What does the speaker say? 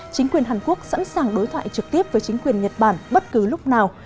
chính quyền hàn quốc sẵn sàng đối thoại trực tiếp với chính quyền nhật bản bất cứ lúc nào